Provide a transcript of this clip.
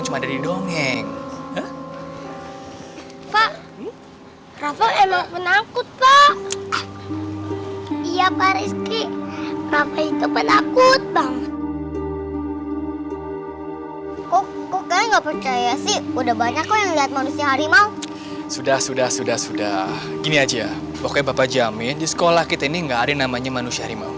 sudah sudah sudah gini aja pokoknya bapak jamin di sekolah kita ini nggak ada namanya manusia harimau